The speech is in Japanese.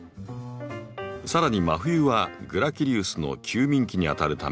さらに真冬はグラキリウスの休眠期にあたるため断水。